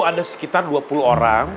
ada sekitar dua puluh orang